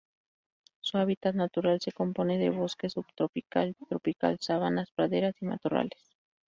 Su hábitat natural se compone de bosque subtropical y tropical, sabanas, praderas y matorrales.